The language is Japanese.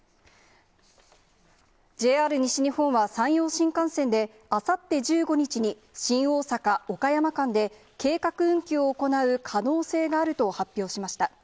ＪＲ西日本は、山陽新幹線であさって１５日に、新大阪・岡山間で計画運休を行う可能性があると発表しました。